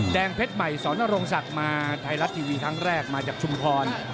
เพชรใหม่สอนรงศักดิ์มาไทยรัฐทีวีครั้งแรกมาจากชุมพร